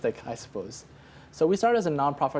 jadi kami mulai sebagai organisasi non profit